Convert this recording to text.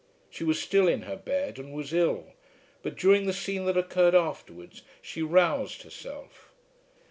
She was still in her bed and was ill; but during the scene that occurred afterwards she roused herself.